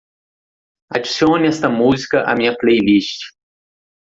Adicione esta música à minha playlist.